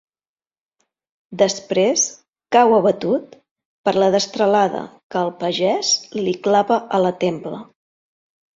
Després cau abatut per la destralada que el pagès li clava a la templa.